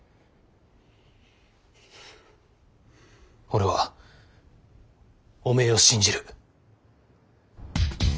俺はおめえを信じる。